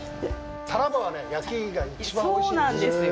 タラバはね焼きが一番おいしいんですよ。